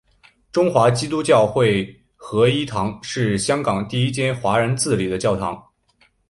中华基督教会合一堂是香港第一间华人自理的教会。